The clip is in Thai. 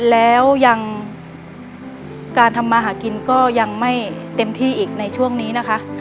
แล้วยังการทำมาหากินก็ยังไม่เต็มที่อีกในช่วงนี้นะคะ